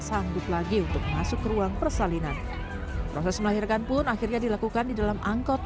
sanggup lagi untuk masuk ke ruang persalinan proses melahirkan pun akhirnya dilakukan di dalam angkot